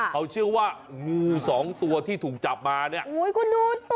เขาเชื่อว่างูสองตัวที่ถูกจับมาเนี่ยคุณดู